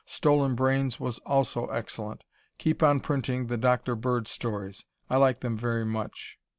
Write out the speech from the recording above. "Stolen Brains" was also excellent. Keep on printing the Dr. Bird stories. I like them very much.